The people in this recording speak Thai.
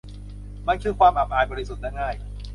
มันคือความอับอาย บริสุทธิ์และง่าย